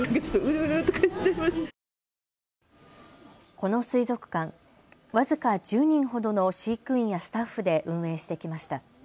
この水族館、僅か１０人ほどの飼育員やスタッフで運営してきました。